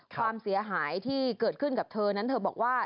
ความเสียหายที่เกิดขึ้นกับเธอนั้นเธอบอกว่า